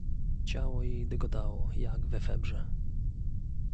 "Ciało jej dygotało, jak we febrze."